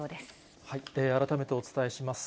改めてお伝えします。